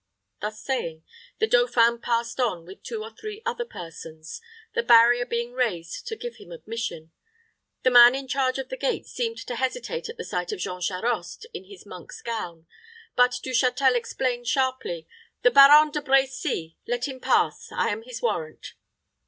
Thus saying, the dauphin passed on with two or three other persons, the barrier being raised to give him admission. The man in charge of the gate seemed to hesitate at the sight of Jean Charost in his monk's gown; but Du Châtel exclaimed, sharply, "The Baron De Brecy. Let him pass. I am his warrant."